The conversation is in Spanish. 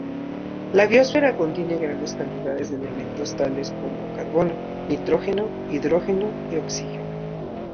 La biosfera contiene grandes cantidades de elementos tales como carbono, nitrógeno, hidrógeno y oxígeno.